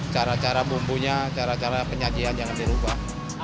cara cara bumbunya cara cara penyajian jangan dirubah